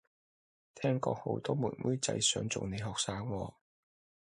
聽講好多妹妹仔想做你學生喎